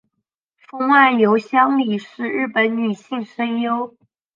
峰岸由香里是日本女性声优。